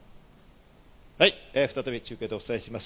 はい、再び中継でお伝えします。